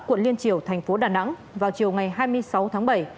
quận liên triều thành phố đà nẵng vào chiều ngày hai mươi sáu tháng bảy